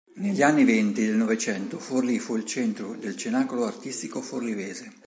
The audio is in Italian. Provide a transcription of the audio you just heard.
Negli anni venti del Novecento Forlì fu il centro del Cenacolo Artistico Forlivese.